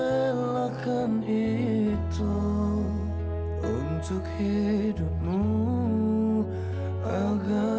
eh apa dengan penggoda natasha